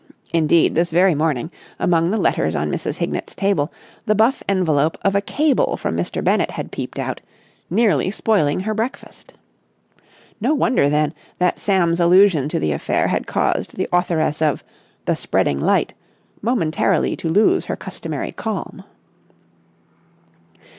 Indeed, this very morning, among the letters on Mrs. Hignett's table, the buff envelope of a cable from Mr. Bennett had peeped out, nearly spoiling her breakfast. No wonder, then, that Sam's allusion to the affair had caused the authoress of "The Spreading Light" momentarily to lose her customary calm.